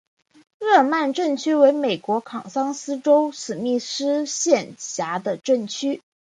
日耳曼镇区为美国堪萨斯州史密斯县辖下的镇区。